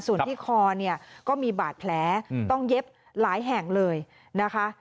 ส่วนที่คอเนี่ยก็มีบาดแผลต้องเย็บหลายแห่งเลยนะคะ